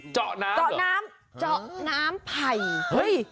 เจาะน้ำเจาะน้ำไผ่เฮ้ย